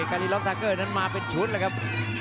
การีล็อกทาเกอร์นั้นมาเป็นชุดเลยครับ